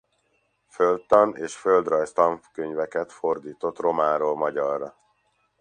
Földtan és földrajz tankönyveket fordított románról magyarra.